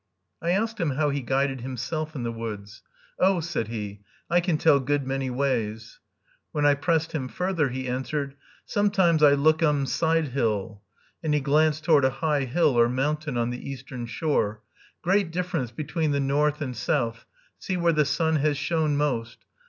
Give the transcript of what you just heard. I asked him how he guided himself in the woods. "Oh," said he, "I can tell good many ways." When I pressed him further, he answered, "Sometimes I lookum side hill," and he glanced toward a high hill or mountain on the eastern shore, "great difference between the north and south, see where the sun has shone most.